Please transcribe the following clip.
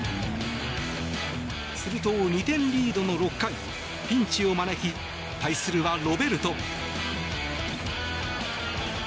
すると２点リードの６回ピンチを招き対するはロベルト。